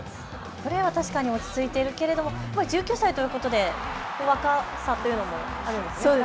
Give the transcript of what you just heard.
プレーは落ち着いているけれど１９歳ということで若さというのもあるんですよね。